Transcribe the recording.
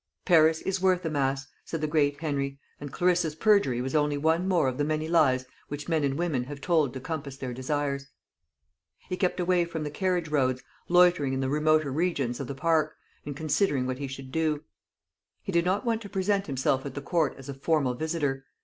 "Paris is worth a mass," said the great Henry; and Clarissa's perjury was only one more of the many lies which men and women have told to compass their desires. He kept away from the carriage roads, loitering in the remoter regions of the park, and considering what he should do. He did not want to present himself at the Court as a formal visitor.